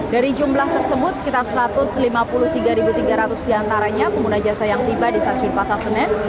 dari jumlah tersebut sekitar satu ratus lima puluh tiga tiga ratus diantaranya pengguna jasa yang tiba di stasiun pasar senen